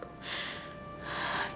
tapi gimana caranya